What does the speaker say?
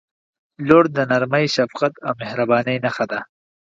• لور د نرمۍ، شفقت او مهربانۍ نښه ده.